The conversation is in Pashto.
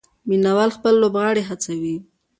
مینه وال خپل لوبغاړي هڅوي.